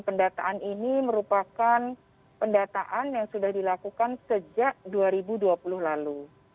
pendataan ini merupakan pendataan yang sudah dilakukan sejak dua ribu dua puluh lalu